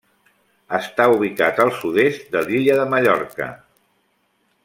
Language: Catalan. Està ubicat al sud-est de l'Illa de Mallorca.